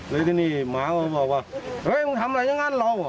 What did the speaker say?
เลยที่นี่หมาเขาบอกว่าเฮ้ยมึงทำอะไรอย่างนั้นรอว่ะ